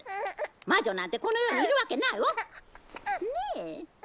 魔女なんてこの世にいるわけないわ！ねえ？